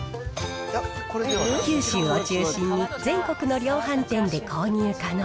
九州を中心に全国の量販店で購入可能。